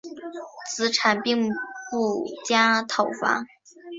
子产并不加讨伐。